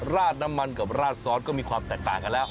ราดน้ำมันกับราดซอสก็มีความแตกต่างกันแล้ว